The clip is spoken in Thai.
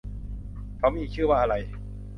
เค้ามีอีกชื่อว่าอะไร